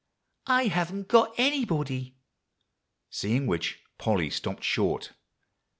"I haven't got anybody," seeing which Polly stopped short.